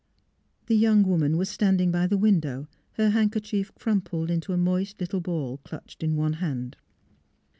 The young woman was standing by the win dow, her handkerchief crumpled into a moist lit tle ball clutched in one hand.